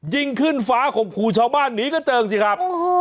ยิงขึ้นฟ้าข่มขู่ชาวบ้านหนีกระเจิงสิครับ